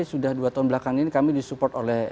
sudah dua tahun belakang ini kami disupport oleh